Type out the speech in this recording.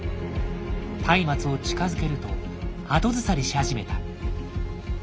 たいまつを近づけると後ずさりし始めた。